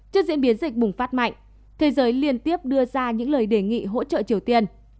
trước diễn biến dịch bùng phát mạnh thế giới liên tiếp đưa ra những lời đề nghị hỗ trợ triều tiên